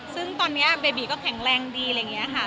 ซึ่งตอนนี้เบบีก็แข็งแรงดีอะไรอย่างนี้ค่ะ